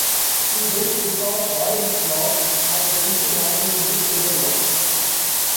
He then took off all his clothes and went to hand in his paperwork.